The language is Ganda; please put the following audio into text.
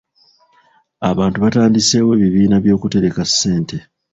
Abantu batandiseewo ebibiina by'okutereka ssente.